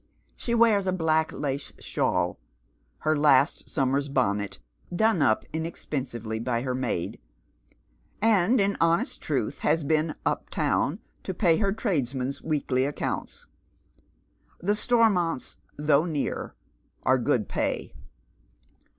She wears a black lace shawl, her last summer's bonnet " done up" inexpensively by'lier maid, and in honest truth has been " up town" to pay her tradesmen's weekly accounts. The Stormonts, though near, are good pay.